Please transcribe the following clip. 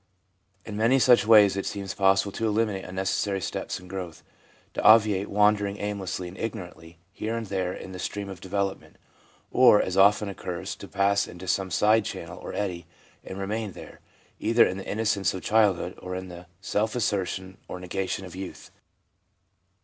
In many such ways it seems possible to eliminate unnecessary steps in growth ; to obviate wandering aimlessly and ignorantly here and there in the stream of development ; or, as often occurs, to pass into some side channel or eddy, and remain there, either in the innocence of childhood or in the self assertion or negation of youth.